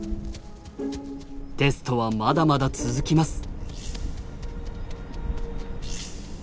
テストはまだまだ続きます。